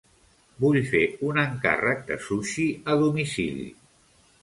Vull fer un encàrrec de sushi a domicili.